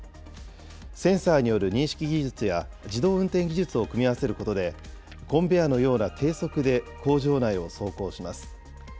センサーによる認識技術や自動運転技術を組み合わせることで、コンベアのような低速で工場内を走行します。